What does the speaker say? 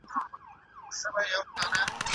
ملي عاید ته د هیواد د اقتصاد د کچي په سترګه وګورئ.